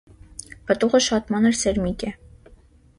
Պտուղը շատ մանր սերմիկ է։